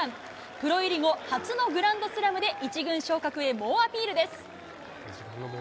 プロ入り後、初のグランドスラムで、１軍昇格へ猛アピールです。